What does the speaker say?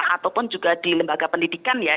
ataupun juga di lembaga pendidikan ya